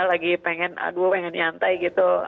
lagi pengen aduh pengen nyantai gitu